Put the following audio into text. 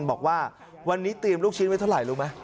บอกว่าวันนี้เตรียมลูกชิ้นไว้เท่าไหร่รู้ไหม